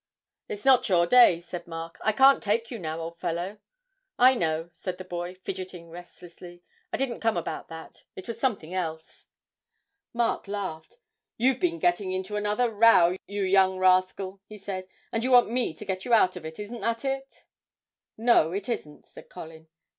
'It's not your day,' said Mark, 'I can't take you now, old fellow.' 'I know,' said the boy, fidgetting restlessly; 'I didn't come about that it was something else.' Mark laughed. 'You've been getting into another row, you young rascal,' he said, 'and you want me to get you out of it isn't that it?' 'No, it isn't,' said Colin.